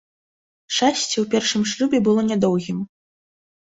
Шчасце ў першым шлюбе было нядоўгім.